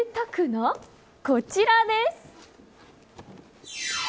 な、こちらです。